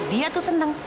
dia tuh seneng